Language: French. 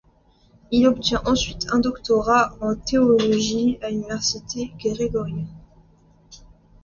Il obtient ensuite un doctorat en théologie à l'Université grégorienne.